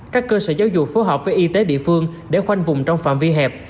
các cơ sở giáo dục phối hợp với y tế địa phương để khoanh vùng trong phạm vi hẹp